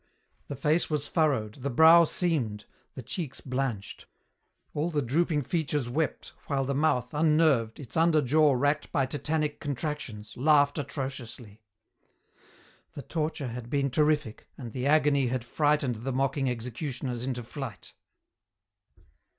The face was furrowed, the brow seamed, the cheeks blanched; all the drooping features wept, while the mouth, unnerved, its under jaw racked by tetanic contractions, laughed atrociously. The torture had been terrific, and the agony had frightened the mocking executioners into flight.